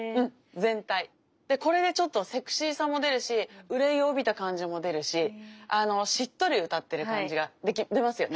これでちょっとセクシーさも出るし憂いを帯びた感じも出るししっとり歌ってる感じが出ますよね？